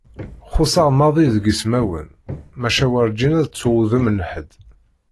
Xuṣṣeɣ maḍi deg ismawen, maca werǧin ad ttuɣ udem n ḥedd.